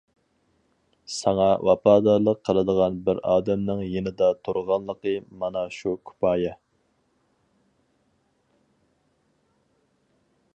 ساڭا ۋاپادارلىق قىلىدىغان بىر ئادەمنىڭ يېنىڭدا تۇرغانلىقى مانا شۇ كۇپايە.